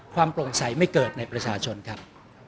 โปร่งใสไม่เกิดในประชาชนครับ